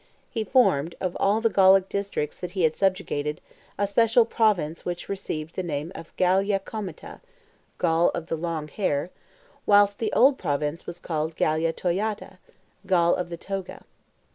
He formed, of all the Gallic districts that he had subjugated, a special province which received the name of Gallia Comata (Gaul of the long hair), whilst the old province was called Gallia Toyata (Gaul of the toga).